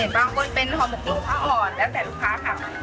บางคนเป็นห่อหมกรุงพระอ่อนแล้วแต่ลูกค้าค่ะ